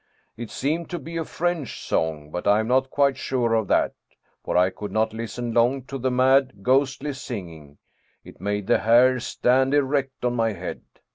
It seemed to be a French song, but I am not quite sure of that, for I could not listen long to the mad, ghostly singing, it made the hair stand erect on my head.